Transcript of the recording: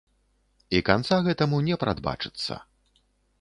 І канца гэтаму не прадбачыцца.